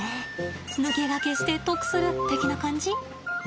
抜け駆けして得する的な感じ？